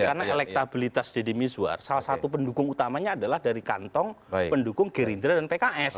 karena elektabilitas deddy miswar salah satu pendukung utamanya adalah dari kantong pendukung gerindra dan pks